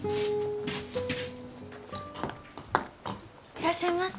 ・いらっしゃいませ。